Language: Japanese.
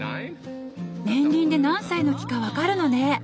年輪で何歳の木か分かるのね。